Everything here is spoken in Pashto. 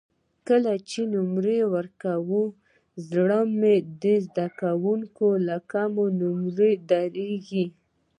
کله چې نمرې ورکوم زړه مې د زده کوونکو له کمو نمرو دردېږي.